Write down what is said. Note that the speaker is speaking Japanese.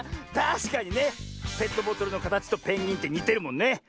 たしかにねペットボトルのかたちとペンギンってにてるもんね。